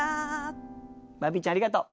バービーちゃんありがとう。